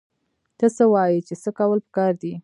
ته څه وايې چې څه کول پکار دي؟